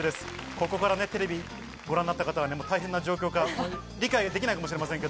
ここからテレビをご覧になった方は大変な状況が理解ができないかもしれませんが。